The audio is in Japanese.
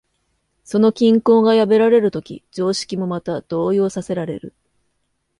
その均衡が破られるとき、常識もまた動揺させられる。